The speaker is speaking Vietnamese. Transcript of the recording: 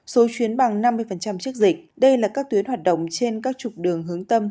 số chuyến bằng năm mươi trước dịch đây là các tuyến hoạt động trên các trục đường hướng tâm